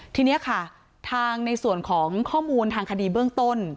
ทีนี้ค่ะทางในส่วนของข้อมูลทางคดีเบื้องต้น